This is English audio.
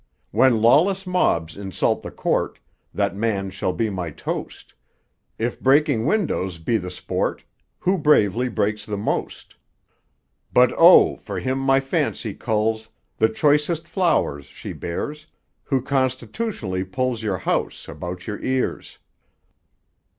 When lawless mobs insult the court, That man shall be my toast, If breaking windows be the sport, Who bravely breaks the most. But oh! for him my fancy culls The choicest flowers she bears, Who constitutionally pulls Your house about your ears.